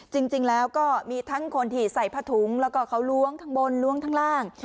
จริงแล้วก็มีทั้งคนที่ใส่ผ้าถุงแล้วก็เขาล้วงข้างบนล้วงข้างล่าง